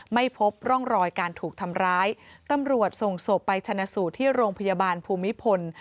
ไม่พบร่องรอยการถูกทำร้ายตำรวจส่งศพไปชนะสูตรที่โรงพยาบาลภูมิพล